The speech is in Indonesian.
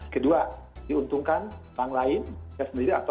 kedua diuntungkan orang lain yang sendiri atau kolporasi